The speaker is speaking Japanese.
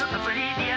「ディア